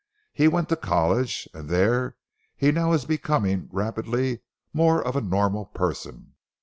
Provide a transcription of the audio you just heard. He went to college, and there he now is, becoming rapidly more of a normal person.